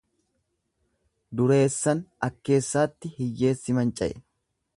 Dureessan akkeessaatti hiyyeessi manca'e.